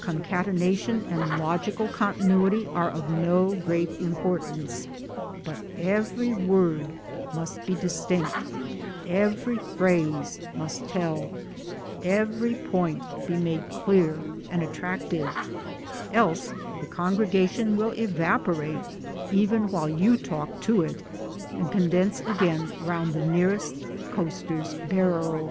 Concatenation and logical continuity are of no great importance, but every word must be distinct, every phrase must tell, every point be made clear and attractive, else the congregation will evaporate even while you talk to it, and condense again round the nearest coster's barrow.